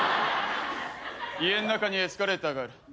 家ん中にエスカレーターがある。